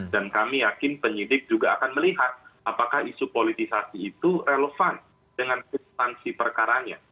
dan kami yakin penyidik juga akan melihat apakah isu politisasi itu relevan dengan substansi perkaranya